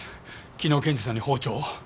昨日検事さんに包丁を。